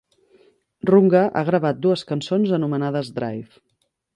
Runga ha gravat dues cançons anomenades "Drive".